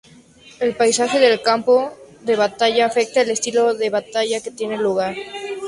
El paisaje del campo de batalla afecta el estilo de batalla que tiene lugar.